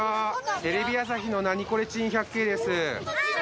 テレビ朝日の『ナニコレ珍百景』です。